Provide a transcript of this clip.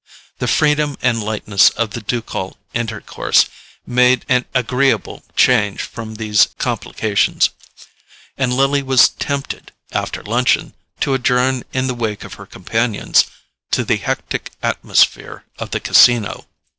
The freedom and lightness of the ducal intercourse made an agreeable change from these complications, and Lily was tempted, after luncheon, to adjourn in the wake of her companions to the hectic atmosphere of the Casino.